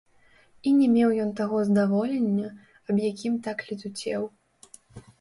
І не меў ён таго здаволення, аб якім так летуцеў.